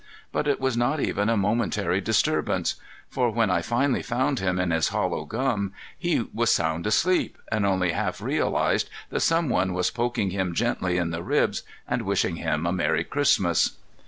But it was not even a momentary disturbance; for when I finally found him in his hollow gum, he was sound asleep, and only half realized that some one was poking him gently in the ribs and wishing him a merry Christmas.